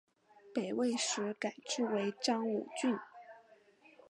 北魏时改置为章武郡。